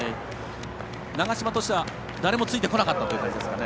長嶋としては誰もついてこなかったという感じですかね。